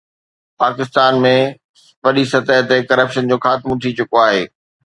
پاڪستان ۾ وڏي سطح تي ڪرپشن جو خاتمو ٿي چڪو آهي